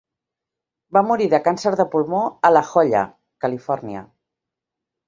Va morir de càncer de pulmó a La Jolla, Califòrnia.